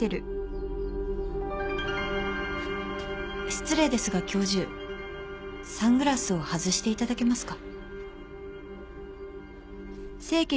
失礼ですが教授サングラスを外していただけますか？